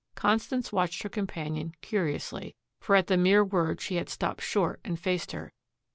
Constance watched her companion curiously, for at the mere word she had stopped short and faced her.